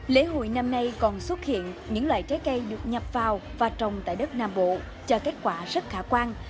lễ hội năm nay còn xuất hiện những loại trái cây được nhập vào và trồng tại đất nam bộ cho kết quả rất khả quan